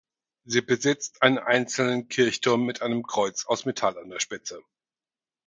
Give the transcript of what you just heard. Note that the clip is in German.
Sie besitzt einen einzelnen Kirchturm mit einem Kreuz aus Metall an der Spitze.